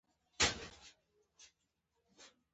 زه درمل د ډاکټر له سلا پرته نه رانيسم.